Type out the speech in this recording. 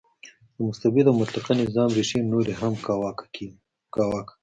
د مستبد او مطلقه نظام ریښې نورې هم کاواکه کړې.